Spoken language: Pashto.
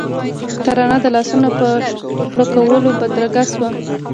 ترانه د لاسونو په پړکولو بدرګه شوه.